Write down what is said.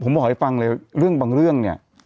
ผมบอกให้ฟังเลยเรื่องบางเรื่องเนี่ย